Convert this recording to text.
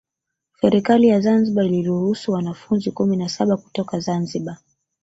Serikali ya Zanzibar iliruhusu wanafunzi kumi na saba kutoka Zanzibar